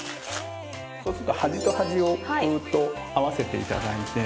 そうすると端と端をぐーっと合わせていただいて。